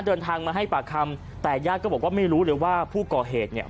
เดินทางมาให้ปากคำแต่ญาติก็บอกว่าไม่รู้เลยว่าผู้ก่อเหตุเนี่ย